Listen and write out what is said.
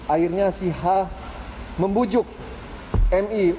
akhirnya si h membujuk mi